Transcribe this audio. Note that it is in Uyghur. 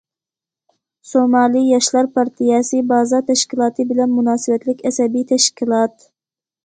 سومالى« ياشلار پارتىيەسى»« بازا» تەشكىلاتى بىلەن مۇناسىۋەتلىك ئەسەبىي تەشكىلات.